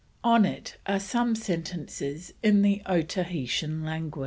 On it are some sentences in the Otaheitan language.